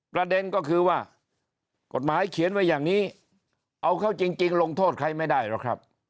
ประเด็นก็คือว่ากฎหมายเขียนไว้อย่างนี้เอาเข้าจริงลงโทษใครไม่ได้หรอกครับ